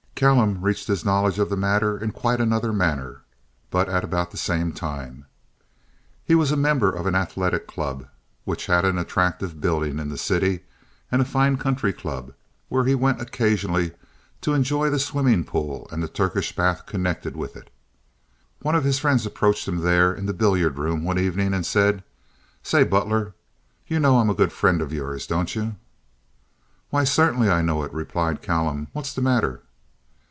Callum reached his knowledge of the matter in quite another manner, but at about the same time. He was a member of an athletic club which had an attractive building in the city, and a fine country club, where he went occasionally to enjoy the swimming pool and the Turkish bath connected with it. One of his friends approached him there in the billiard room one evening and said, "Say, Butler, you know I'm a good friend of yours, don't you?" "Why, certainly, I know it," replied Callum. "What's the matter?"